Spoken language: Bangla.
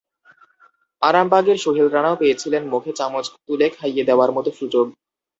আরামবাগের সোহেল রানাও পেয়েছিলেন মুখে চামচ তুলে খাইয়ে দেওয়ার মতো সুযোগ।